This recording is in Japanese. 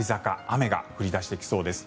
雨が降り出してきそうです。